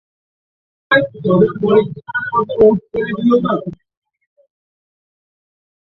মধ্য প্রদেশের অঞ্চল ও জেলা নিচে দেখানো হয়েছে।